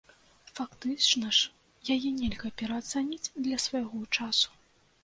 Фактычна ж яе нельга пераацаніць для свайго часу.